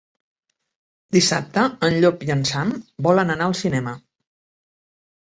Dissabte en Llop i en Sam volen anar al cinema.